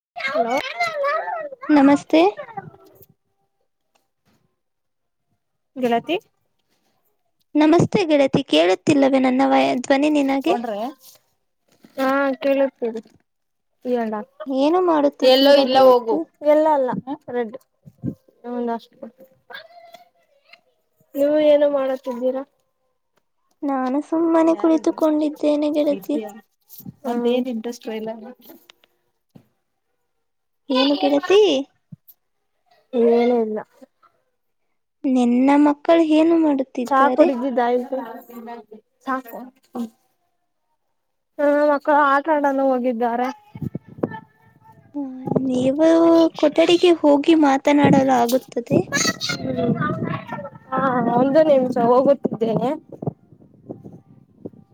[unintelligible] ನಮಸ್ತೆ ಗೆಳತಿ ನಮಸ್ತೆ ಗೆಳತಿ ಕೇಳುತ್ತಿಲ್ಲವೇ ನನ್ನ ವಯ ಧ್ವನಿ ನಿನಗೆ ಹೊಂಡ್ರೆ ಹಾ ಕೇಳುತ್ತಿದೆ ಏನು ಎಲ್ಲೋ ಮಾಡುತ್ತಿದ್ದೀರಾ ಇಲ್ಲ ಹೋಗು ಗೆಳತಿ ಎಲ್ಲೋ ಅಲ್ಲ ರೆಡ್ ನಂದ ಅಷ್ಟು ನೀವು ಏನು ಮಾಡತಿದ್ದೀರಾ ನಾನು ಸುಮ್ಮನೆ ಯಾರಾದು ಕುಳಿತುಕೊಂಡಿದ್ದೇನೆ ಗೆಳತಿ [unintelligible] [unintelligible] ಏನು ಗೆಳತಿ ಏನ ಇಲ್ಲ ನಿನ್ನ ಮಕ್ಕಳು ಏನು ಮಾಡ ಚಾ ಕುೂಡಿದ್ದಿದ್ದ ಆಯ್ತು [unintelligible] ಹ್ಮ ಮಕ್ಕಳು ಆಟ ಆಡಲು ಹೋಗಿದ್ದಾರೆ ಹ ನೀವು ಕೊಠಡಿಗೆ ಹೋಗಿ ಮಾತನಾಡಲು ಆಗುತ್ತದೆ. ಹ್ಮ ಹಾ ಒಂದ ನಿಮಿಷ ಹೋಗುತ್ತಿದ್ದೇನೆ.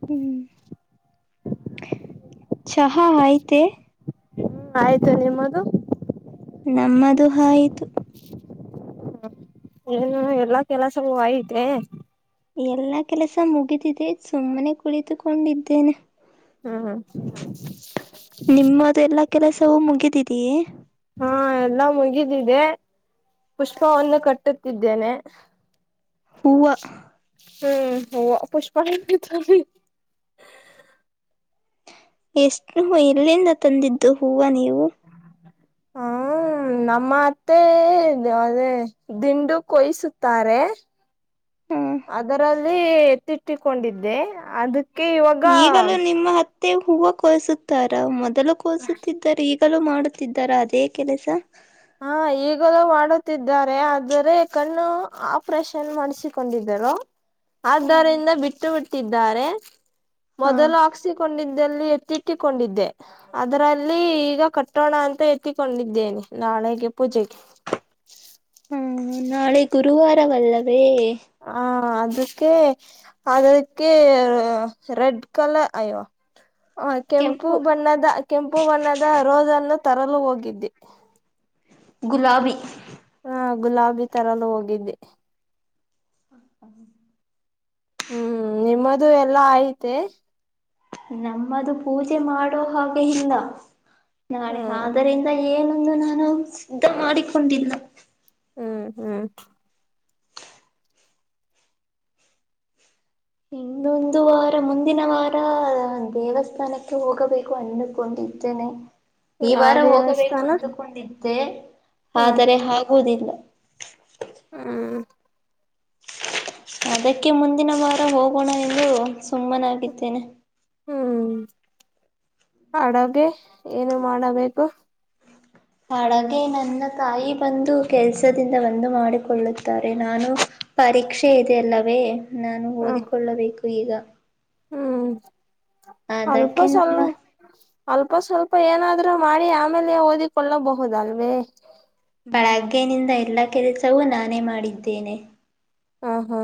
ಹ್ಮ್ ಚಹಾ ಆಯ್ತೆ ಹ್ಮ ಆಯ್ತು ನಿಮ್ಮದು. ನಮ್ಮದು ಆಯ್ತು ಹ ಏನು ಎಲ್ಲಾ ಕೆಲಸವು ಆಯಿತೇ ಎಲ್ಲಾ ಕೆಲಸ ಮುಗಿದಿದೆ ಸುಮ್ಮನೆ ಕುಳಿತುಕೊಂಡಿದ್ದೇನೆ. ಹ್ಮ್ ನಿಮ್ಮದು ಎಲ್ಲಾ ಕೆಲಸವೂ ಮುಗಿದಿದೀಯೇ ಹಾ ಎಲ್ಲಾ ಮುಗಿದಿದೆ ಪುಷ್ಪವನ್ನು ಕಟ್ಟುತ್ತಿದ್ದೇನೆ. ಹೂವ ಹ್ಮ್ ಹೊವ ಪುಷ್ಪಾಲಲ್ಲಿ ಎಷ್ಟ ಎಲ್ಲಿಂದ ತಂದಿದ್ದು ಹೂವ ನೀವು ಹಾ ಹ್ಮ್ ನಮ್ಮ ಅತ್ತೆ ಅದೇ ದಿಂಡು ಕೊಯಿಸುತ್ತಾರೆ ಹ್ಮ್ ಅದರಲ್ಲಿ ಎತ್ತಿಟ್ಟಿಕೊಂಡಿದ್ದೆ ಅದ ಈಗಲೂ ನಿಮ್ಮ ಅತ್ತೆ ಹೂವು ಕೋಸುತ್ತಾರಾ ಮೊದಲು ಕೋಸುತ್ತಿದ್ದರೆ ಈಗ ಲ ಮಾಡುತ್ತಿದ್ದಾರಾ ಅದೇ ಕೆಲಸ ಹಾ ಈಗಲೂ ಮಾಡುತ್ತಿದ್ದಾರೆ ಆದರೆ ಕಣ್ಣು ಆಪರೇಷನ್ ಮಾಡಿಸಿಕೊಂಡಿದ್ದರು. ಹ ಆದ್ದರಿಂದ ಬಿಟ್ಟು ಬಿಟ್ಟಿದ್ದಾರೆ ಮೊದಲು ಹಾಕ್ಸಿಕೊಂಡಿದ್ದ ದಲ್ಲಿ ಎತ್ತಿಟ್ಟಿಕೊಂಡಿದ್ದೆ ಅದರಲ್ಲಿ ಈಗ ಕಟ್ಟೋಣ ಅಂತ ಎತ್ತಿಕೊಂಡಿದ್ದೇನೆ ನಾಳೆಗೆ ಪೂಜೆೆಗೆ ಹ್ಮ ನಾಳೆ ಗುರುವಾರವಲ್ಲವೇ ಹ ಹ ಅದಕ್ಕೆ ಅದಕ್ಕೆ ರೆಡ್ ಕಲರ್ ಅಯ್ಯೋ ಹ ಕೆಂಪು ಬಣ್ಣದ ಕೆಂಪು ಬಣ್ಣದ ರೋಜನ್ನು ತರಲು ಹೋಗಿದ್ದೆ ಗುಲಾಬಿ ಹಾ ಗುಲಾಬಿ ತರಲು ಹೋಗಿದ್ದೆ ಹ ಹ ಹ್ಮ್ ನಿಮ್ಮದು ಎಲ್ಲಾ ಆಯಿತೇ ನಮ್ಮದು ಪೂಜೆ ಮಾಡೋ ಹಾಗೆ ಇಲ್ಲ ನಾಳೆ ಹ್ಮ್ ಆದ್ದರಿಂದ ಏನು ನ್ನು ನಾನು ಸಿದ್ಧ ಮಾಡಿಕೊಂಡಿಲ್ಲ ಹ್ಮ್ ಹ್ಮ್ ಇನ್ನೊಂದು ವಾರ ಮುಂದಿನ ವಾರ ದೇವಸ್ಥಾನಕ್ಕೆ ಹೋಗಬೇಕು. ಅನ್ಕೊಂಡಿದೆ ತೆನೆ ಈ ಆ ವಾರ ಹೋಗಬೇಕು ದೇವಸ್ಥಾನ ಅಂದುಕೊಂಡೀದೆ ಅ ಆದರೆ ಆಗುವುದಿಲ್ಲ ಹ್ಮ ಅದಕ್ಕೆ ಮುಂದಿನ ವಾರ ಹೋಗೋಣ ಎಂದು ಸುಮ್ಮನಾಗಿದ್ದೇನೆ ಹ್ಮ್ ಅಡಗೆ ಏನು ಮಾಡಬೇಕು ಅಡಗೆ ನನ್ನ ತಾಯಿ ಬಂದು ಕೆಲ್ಸದಿಂದ ಬಂದು ಮಾಡಿಕೊಳ್ಳುತ್ತಾರೆ ನಾನು ಪರೀಕ್ಷೆ ಇದೆ ಅಲ್ಲವೇ ನಾನು ಹ್ಮ ಓದಿಕೊಳ್ಳಬೇಕು ಈಗ ಹ್ಮ್ ಅಲ್ಪ ಅದಕ್ಕೆ ನಮ್ಮ ಸ್ವಲ್ಪ್ ಅಲ್ಪ ಸ್ವಲ್ಪ ಏನಾದ್ರು ಮಾಡಿ ಆಮೇಲೆ ಓದಿಕೊಳ್ಳಬಹುದಲ್ವೇ ಕೆಲಸವು ನಾನೇ ಮಾಡಿದ್ದೇನೆ ಹಾ ಹಾ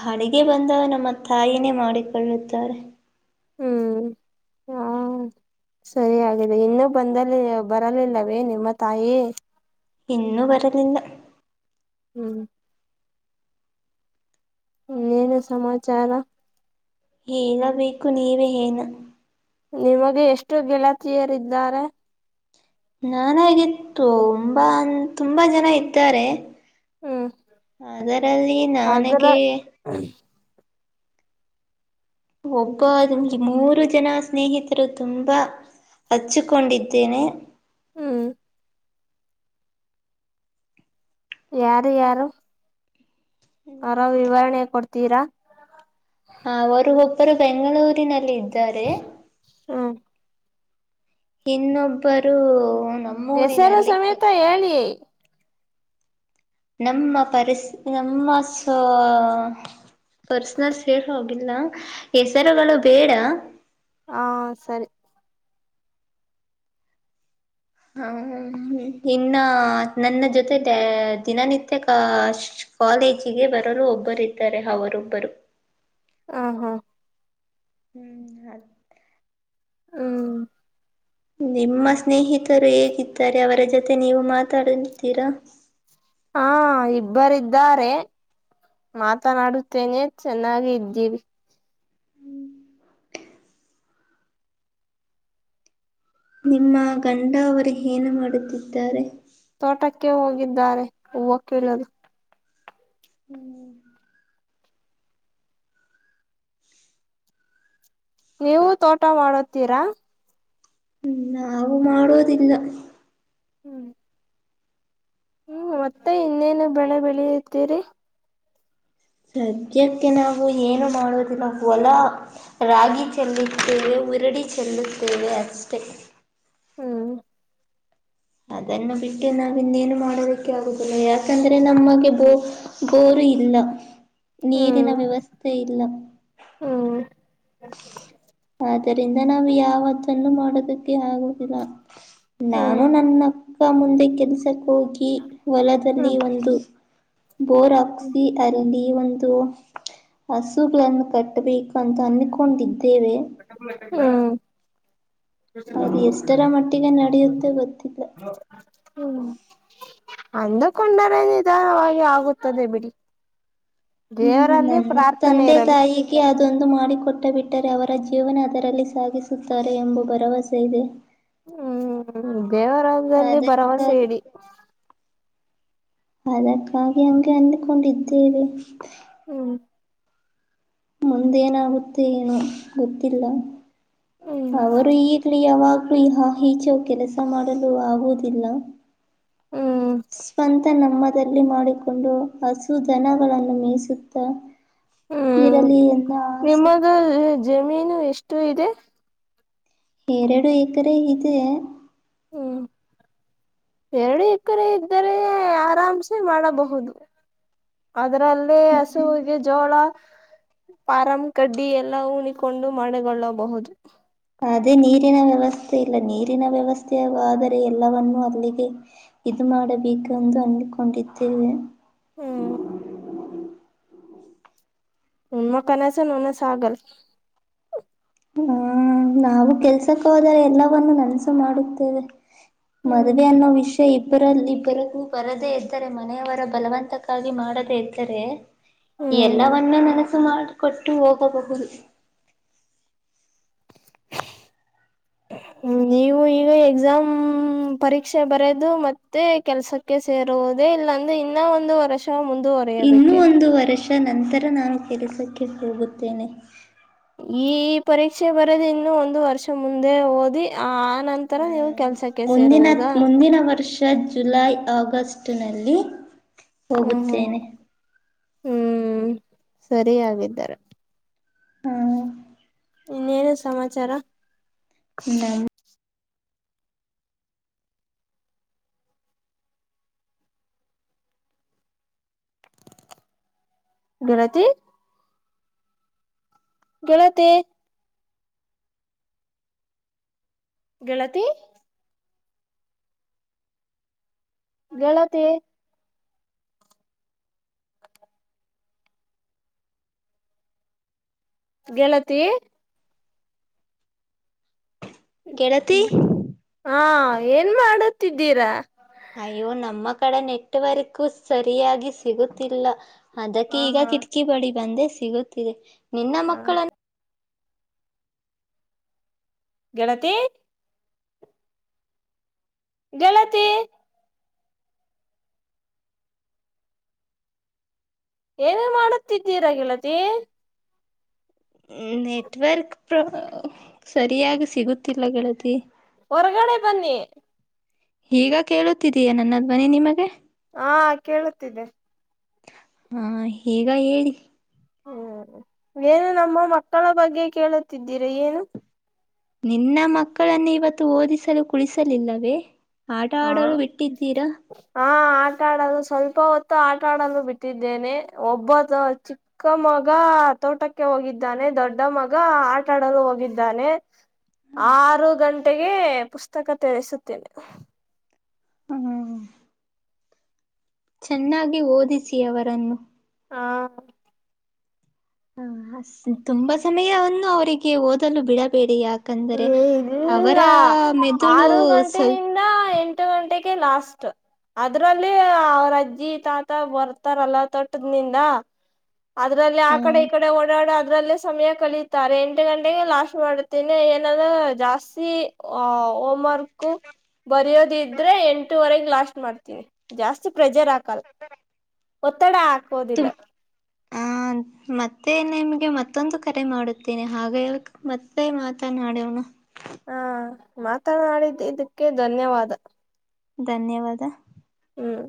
ಹ ಅಡಗೆ ಬಂದ ನಮ್ಮ ತಾಯಿನೇ ಮಾಡಿಕೊಳ್ಳುತ್ತಾರೆ. ಹ್ಮ್ ಹಾ ಸರಿ ಆಗಿದೆ ಇನ್ನು ಬಂದಲ್ಲಿ ಬರಲಿಲ್ಲವೇ ನಿಮ್ಮ ತಾಯಿ ಇನ್ನೂ ಬರಲಿಲ್ಲ ಹ್ಮ್ಮ್ ಹ್ಮ ಏನು ಸಮಾಚಾರ ಹೇಳ ಬೇಕು ನೀವೇ ಏನು ನಿಮಗೆ ಎಷ್ಟು ಗೆಳತಿಯರಿದ್ದಾರೆ ನಾನಾಗಿತ್ತು ತುಂಬಾ ಅ ತುಂಬಾ ಜನ ಇದ್ದಾರೆ ಹ್ಮ್ ಅದರಲ್ಲಿ ಅದರ ನನಗೆ ಒಬ್ಬ ಈ ಮೂರು ಜನ ಸ್ನೇಹಿತರು ತುಂಬಾ ಹಚ್ಚಿಕೊಂಡಿದ್ದೇನೇ ಹ್ಮ್ ಯಾರು ಯಾರು ಆರ ವಿವರಣೆ ಕೊಡ್ತೀರಾ ಅವರು ಒಬ್ಬರು ಬೆಂಗಳೂರಿನಲ್ಲಿ ಇದ್ದಾರೆ ಹ್ಮ್ ಇನ್ನೊಬ್ಬರು ಹೆಸರು ನಮ್ಮೂರಿನಲ್ಲಿ ಸಮೇತ ಹೇಳಿ ನಮ್ಮ ಪರ್ಸ್ ನಮ್ಮ ಸ ಪರ್ಸನಲ್ ಸೇಳ್ ಹೋಗ [inaudible] ಹೆಸರುಗಳು ಬೇಡ ಹಾ ಸರಿ ಹ ಇನ್ನ ನನ್ನ ಜೊತೆ ದಿನನಿತ್ಯ ಕಷ್ಟ ಕಾಲೇಜಿಗೆ ಬರಲು ಒಬ್ಬರ್ದಾರೆ ಅವರೊಬ್ಬರು ಹ ಹಾ ಹ್ಮ್ ಅ ಹ್ಮ ನಿಮ್ಮ ಸ್ನೇಹಿತರು ಹೇಗಿದ್ದಾರೆ ಅವರ ಜೊತೆ ನೀವು ಮಾತಾಡತೀರಾ ಹಾ ಇಬ್ಬರು ಇದ್ದಾರೆ ಮಾತನಾಡುತ್ತೇನೆ ಚೆನ್ನಾಗಿ ಇದ್ದೀವಿ ನಿಮ್ಮ ಗಂಡ ಅವರು ಏನು ಮಾಡುತ್ತಿದ್ದಾರೆ ತೋಟಕ್ಕೆ ಹೋಗಿದ್ದಾರೆ ಹೂವ ಕೀಳಲು ಹ್ಮ್ ನೀವು ತೋಟ ಮಾಡುತ್ತೀರಾ ಹ್ಮ್ ನಾವು ಮಾಡೋದಿಲ್ಲ ಹ್ಮ್ ಹ್ಮ್ ಮತ್ತೆ ಇನ್ನೇನು ಬೆಳೆ ಬೆಳೆಯುತ್ತೀರಿ ಸದ್ಯಕ್ಕೆ ನಾವು ಏನು ಮಾಡುವುದಿಲ್ಲ ಹೊಲ ರಾಗಿ ಚೆಲ್ಲುತ್ತೇವೆ [inaudible] ಉರಡಿ ಚೆನ್ನುುತ್ತೇವೆ ಅಷ್ಟೆ ಹ್ಮ್ ಅದನ್ನು ಬಿಟ್ಟು ನಾವ ಇನ್ನೇನು ಮಾಡದಕ್ಕೆ ಆಗುದಿಲ್ಲ ಯಾಕಂದ್ರೆ ನಮಗೆ ಬೋ ಇಲ್ಲ ಹ್ಮ್ ನೀರಿನ ವ್ಯವಸ್ಥೆ ಇಲ್ಲ ಹ್ಮ್ ಆದರಿಂದ ನಾವ್ ಯಾವತ್ತನ್ನುೂ ಮಾಡ ಮಾಡೋದಕ್ಕೆ ಆಗುದಿಲ್ಲ ಹ್ಮ್ ನಾನು ನನ್ನಕ್ಕ ಮುಂದೆ ಕೆಲಸ ಹೋಗಿ ಹೊಲದಲ್ಲಿ ಹ್ಮ್ ಒಂದು ಬೋರ್ ಹಾಕ್ಸಿ ಅರಳಿ ಈ ಒಂದು ಹಸುಗಳನ್ನು ಕಟ್ಟಬೇಕು ಅಂತ ಅನ್ಕೊಂಡಿದ್ದೀನಿ ಹ್ಮ [inaudible] [unintelligible] ಅದು ಎಷ್ಟರ ಮಟ್ಟಿಗೆ ನಡೆಯುತ್ತೆ ಗೊತ್ತಿಲ್ಲ ಹ್ಮ್ ಅಂದುಕೊಂಡರೆ ನಿಧಾನವಾಗಿ ಆಗುತ್ತದೆ ಬಿಡಿ [inaudible] ಹ್ಮ್ ದೇವರಲ್ಲಿ ನನ್ನ ಪ್ರಾರ್ಥನೆ ತಂದೆ ಇರಲಿ ತಾಯಿಗೆ ಅದೊಂದು ಮಾಡಿಕ ಕೊಟ್ಟ ಬಿಟ್ಟರೆ ಅವರ ಜೀವನ ಅದರಲ್ಲಿ ಸಾಗಿಸುತ್ತಾರೆ ಎಂಬ ಭರವಸೆ ಇದೆ ಹ್ಮ್ ದೇವರದಲ್ಲಿ ಭರವಸೆ ಅದಕ್ಕಾಗಿ ಇಡಿ ಅದಕ್ಕಾಗಿ ಹಂಗೆ ಅಂದಕೊಂಡಿದ್ದೇವೆ ಹ್ಮ್ ಮುಂದೇನಾಗುತ್ತೆ ಏನೋ ಗೊತ್ತಿಲ್ಲ ಹ್ಮ್ ಅವರು ಇಡಲಿ ಯಾವಾಗ ಹಾ ಇಚೆ ಹೋಗಿ ಕೆಲಸ ಮಾಡಲು ಆಗುವುದಿಲ್ಲ ಹ್ಮ್ ಸ್ವಂತ ನಮ್ಮದಲ್ಲಿ ಮಾಡಿಕೊಂಡು ಹಸುಧನಗಳನ್ನು ಮೇಸುತ್ತಾ ಹ್ಮ್ ಇರಲಿ ಎಲ್ಲಾ ಆಸೆ ನಿಮ್ಮದು ಜಮೀನು ಎಷ್ಟು ಇದೆ ಎರಡು ಏಕರೆ ಇದೆ ಹ್ಮ್ ಎರಡು ಎಕರೆ ಇದ್ದರೆ ಆರಾಮ್ಸೆ ಮಾಡಬಹುದು ಅದ್ರಲ್ಲಿ ಹಸುವಿಗೆ ಜೋಳ ಫಾರಂ ಕಡ್ಡಿ ಎಲ್ಲ ಉಣಿಕೊಂಡು ಮಾಡಗೊಳ್ಳಬಹುದು ಅದೇ ನೀರಿನ ವ್ಯವಸ್ಥೆ ಇಲ್ಲ ನೀರಿನ ವ್ಯವಸ್ಥೆ ಆದರೆ ಎಲ್ಲವನ್ನೂ ಅಲ್ಲಿಗೆ ಇದು ಮಾಡಬೇಕುಂದು ಅಂದಕೊಂಡಿದ್ದೇವೆ ಹ್ಮ ನಿಮ್ಮ ಕನಸು ನನಸ ಆಗಲಿ. ಹಂ ನಾವು ಕೆಲ್ಸಕ್ಕೆ ಹೋದರೆ ಎಲ್ಲವವನ್ನು ನನಸು ಮಾಡುತ್ತೇವೆ. ಹ್ಮ್ ಮದ್ವೆ ಅನ್ನೋ ವಿಷಯ ಇದರಲ್ಲಿ ಬರಕೂ ಬರದೇ ಇದ್ದರೆ ಮನೆಯವರ ಬಲವಂತಕ್ಕಾಗಿ ಮಾಡದೇ ಇದ್ದರೆ, ಹ್ಮ್ ಎಲ್ಲವನ್ನೂ ನನಸು ಮಾಡಿಕೊಟ್ಟು ಹೋಗಬಹುದು. [inaudible] ಹ್ಮ ನೀವು ಈಗ ಎಕ್ಸಾಮ್ ಪರೀಕ್ಷೆ ಬರದು ಮತ್ತೆ ಕೆಲ್ಸಕ್ಕೆ ಸೇರು ವುದೇ ಇಲ್ಲಾ ಅಂದ್ರೆ ಇನ್ನಾ ಒಂದು ವರ್ಷ ಮುಂದೆ, ಇನ್ನೂ ಒಂದು ವರ್ಷ ನಂತರ ನಾನು ಕೆಲಸಕ್ಕೆ ಹೋಗುತ್ತೇನೆ. ಈ ಪರೀಕ್ಷೆ ಬರದ ಇನ್ನು ಒಂದು ವರ್ಷ ಮುಂದೆ ಓದಿ ಆ, ನಂತರ ಹ ನೀವು ಕೆಲ್ಸಕ್ಕೆ ಮುಂದಿನ ಸೇರುವುದಾ ಮುಂದಿನ ವರ್ಷ ಅ ಜುಲೈ ಆಗಸ್ಟ್ನಲ್ಲಿ ಹ್ಮ್ ಹ್ಮ್ ಹೋಗುತ್ತೇನೆ. ಹ್ಮ್ ಸರಿ ಹಾಗಿದ್ದರೆ. ಹ್ಮ್ ಇನ್ನೇನು ಸಮಾಚಾರ? ಇಲ್ಲ [unintelligible] ಗೆಳತಿ ಗೆಳತಿ ಗೆಳತಿ ಗೆಳತಿ ಗೆಳತಿ ಗೆಳತಿ ಹ್ಮ ಹಾಂ ಏನ್ ಮಾಡುತ್ತಿದ್ದಾರಾ? ಅಯ್ಯೋ ನಮ್ಮ ಕಡೆ ನೆಟ್ಟವರ್ಕು ಸರಿಯಾಗಿ ಸಿಗುತ್ತಿಲ್ಲ. ಅದಕ್ಕೆ ಹ ಈಗ ಹಾ ಕಿಟಕಿ ಬಳಿ ಬಂದೆ ಸಿಗುತ್ತಿದೆ ನಿನ್ನ ಹ ಮಕ್ಕಳನ್ ಗೆಳತೀ ಗೆಳತಿ ಏನು ಮಾಡುತ್ತಿದ್ದೀರಾ ಗೆಳತಿ? ನೆಟ್ವರ್ಕ್ ಪ್ರ ಸರಿಯಾಗಿ ಸಿಗುತ್ತಿಲ್ಲ ಗೆಳತಿ. ಹೊರಗಡೆ ಬನ್ನಿ. ಈಗ ಕೇಳುತ್ತಿದೀಯಾ ನನ್ನ ಧ್ವನಿ ನಿಮಗೆ? ಹಾಂ ಕೇಳುತ್ತಿದ್ದೆ. ಹಾಂ ಈಗಾ ಹೇಳಿ. ಓ ಏನು ನಮ್ಮ ಮಕ್ಕಳ ಬಗ್ಗೆ ಕೇಳುತ್ತಿದ್ದೀರಿ ಏನು? ನಿನ್ನ ಮಕ್ಕಳನ್ನು ಇವತ್ತು ಓದಿಸಲು ಕುಳಿಸಲಿಲ್ಲವೇ? ಆಟ ಆಡಲು ಬಿಟ್ಟಿದ್ದೀರಾ? ಹಾಂ ಆಟಾ ಆಟ ಆಡಲು ಸ್ವಲ್ಪ ಹೊತ್ತು ಆಟಾಡಲು ಬಿಟ್ಟಿದ್ದೇನೆ ಒಬ್ಬ ಚಿಕ್ಕ ಮಗಾ ಆ ತೋಟಕ್ಕೆ ಹೋಗಿದ್ದಾನೆ ದೊಡ್ಡ ಮಗ ಆಟಾಡಲು ಹೋಗಿದ್ದಾನೆ. ಆರು ಗಂಟೆಗೆ ಪುಸ್ತಕ ತೆರಿಸುತ್ತೇನೆ. [unintelligible] ಚೆನ್ನಾಗಿ ಓದಿಸಿ ಅವರನ್ನು. ಹಾಂ ಹಂ ಹ್ ತುಂಬಾ ಸಮಯವನ್ನು ಅವರಿಗೆ ಓದಲು ಬಿಡಬೇಡಿ ಯಾಕ? ಯಾಕಂದ್ರೆ ಇಲ್ಲ ಅವರ ಮೆದುಳು ಸ್ವಲ್ ಹತ್ತ ಗಂಟೆಗೆ ಲಾಸ್ಟ್, ಅದ್ರಲ್ಲಿ ಅವ್ರ ಅಜ್ಜಿ ತಾತ ಬರ್ತಾರಲ್ಲ ತೊಟ್ಟದನಿಂದ. [unintelligible] ಏನಂದ್ರ ಜಾಸ್ತಿ ಹೊ ಹೋಮ್ ವರ್ಕ್ ಬರಯೋದ ಇದ್ರೆ ಎಂಟವರೆಗ್ ಲಾಸ್ ಮಾಡ್ತೀನಿ ಜಾಸ್ತಿ ಪ್ರೆಷರ್ ಹಾಕಲ್ಲ ಒತ್ತಡ ಹಾಕೋದಿಲ್ಲ ತುಂ ಆ ಮತ್ತೆ ನಿಮ್ಗೆ ಮತ್ತೊಂದು ಕರೆ ಮಾಡುತ್ತೇನೆ ಹಾಗ ಮತ್ತೆ ಮಾತನಾಡವನು ಹಾ ಮಾತನಾಡಿದ್ದ ಇದಕ್ಕೆ ಧನ್ಯವಾದ ಧನ್ಯವಾದ ಹ್ಮ್